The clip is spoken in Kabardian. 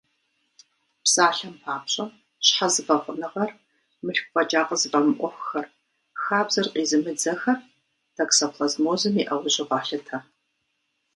Псалъэм папщӏэ, щхьэзыфӏэфӏыныгъэр, мылъку фӏэкӏа къызыфӏэмыӏуэхухэр, хабзэр къизымыдзэхэр токсоплазмозым и ӏэужьу къалъытэ.